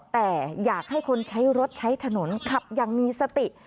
แต่อยากให้คนใช้รถใช้ถนนขับอย่างมีสติ